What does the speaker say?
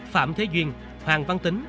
phạm thế duyên hoàng văn tính